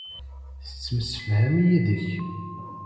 Tettemsefham yid-k.